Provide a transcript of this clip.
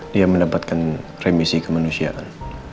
dia mendapatkan remisi kemanusiaan